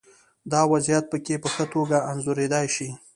دا وضعیت پکې په ښه توګه انځورېدای شي.